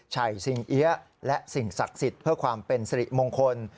ชัยสิงเอี๊ยะและสิ่งศักดิ์สิทธิ์เพื่อความเป็นสิริมงคล